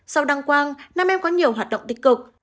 sau đăng quang nam em có nhiều hoạt động tích cực